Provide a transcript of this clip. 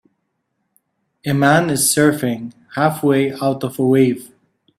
A man is surfing, halfway out of a wave.